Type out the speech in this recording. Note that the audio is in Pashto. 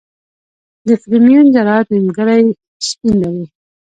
د فرمیون ذرات نیمګړي سپین لري.